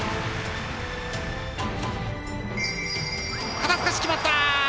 肩透かし決まった！